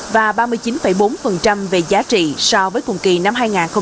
và ba mươi chín bốn về giá trị so với cùng kỳ năm hai nghìn hai mươi hai